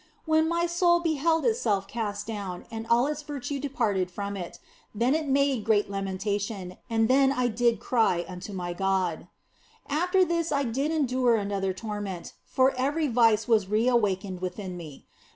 When my soul beheld itself cast down and all its virtue departed from it, then it made great lamentation, and then did I cry unto my God. After this I did endure another torment, for every vice was re awakened within me.